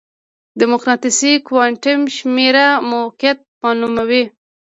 د مقناطیسي کوانټم شمېره موقعیت معلوموي.